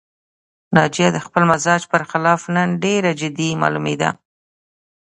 ناجیه د خپل مزاج پر خلاف نن ډېره جدي معلومېده